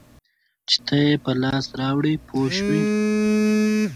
چې ته یې په لاس راوړې پوه شوې!.